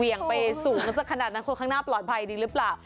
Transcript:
ไปสูงสักขนาดนั้นคนข้างหน้าปลอดภัยดีหรือเปล่า